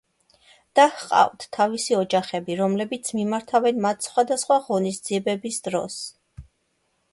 და ჰყავთ თავისი ოჯახები, რომლებიც მიმართავენ მათ სხვადასხვა ღონისძიებების დროს.